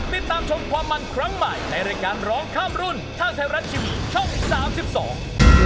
มิตามชมความมั่นครั้งใหม่ในรายการร้องข้ามรุ่นท่านไทยรัฐชีวิตช่อง๓๒